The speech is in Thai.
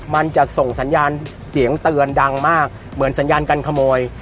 มันจะส่งสัญญาณเสียงเตือนดังมากเหมือนสัญญาการขโมย